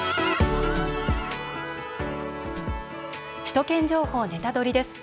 「首都圏情報ネタドリ！」です。